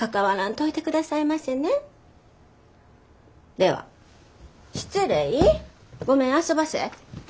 では失礼ごめんあそばせ。